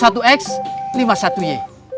saya tahu kalian bingung